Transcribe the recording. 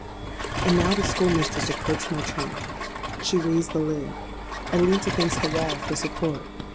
And now the school mistress approached my trunk: she raised the lid—I leant against the wall for support.